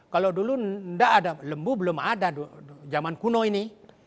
kalau dulu lembu belum ada zaman kuno ini